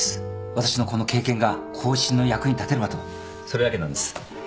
私のこの経験が後進の役に立てればとそれだけなんです。